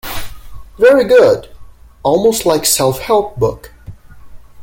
Very good, almost like self-help book.